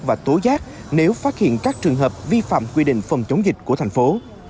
và tố giác nếu phát hiện các trường hợp vi phạm quy định phòng chống dịch của thành phố